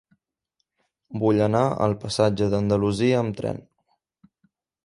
Vull anar al passatge d'Andalusia amb tren.